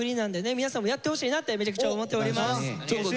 皆さんもやってほしいなってめちゃくちゃ思っております。